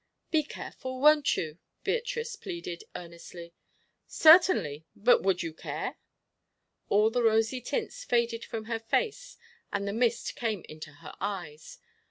"Be careful, won't you?" Beatrice pleaded earnestly. "Certainly but would you care?" All the rosy tints faded from her face and the mist came into her eyes.